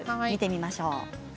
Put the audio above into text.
見てみましょう。